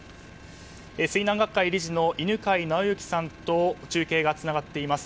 水難学会理事の犬飼直之さんと中継がつながっています。